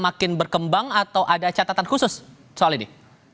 makin berkembang atau ada catatan khusus soal ini